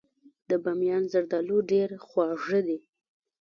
د بامیان زردالو ډیر خواږه دي.